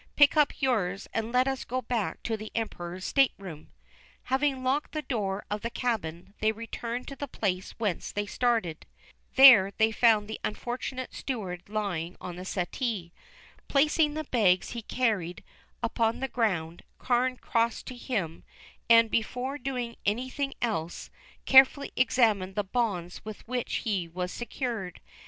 "Pick up yours and let us get back to the Emperor's stateroom." Having locked the door of the cabin, they returned to the place whence they had started. There they found the unfortunate steward lying on the settee. Placing the bags he carried upon the ground, Carne crossed to him, and, before doing anything else, carefully examined the bonds with which he was secured.